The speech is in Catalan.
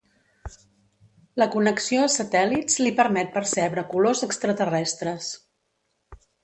La connexió a satèl·lits li permet percebre colors extraterrestres.